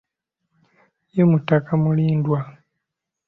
Ye mutaka Mulindwa.